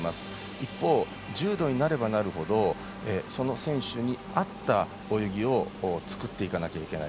一方、重度になればなるほどその選手にあった泳ぎを作っていかなきゃいけない。